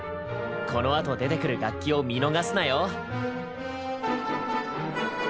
このあと出てくる楽器を見逃すなよ。